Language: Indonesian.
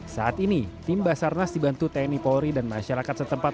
saat ini tim basarnas dibantu tni polri dan masyarakat setempat